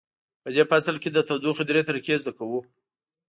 په دې فصل کې د تودوخې درې طریقې زده کوو.